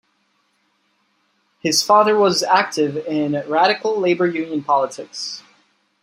His father was active in radical labour union politics.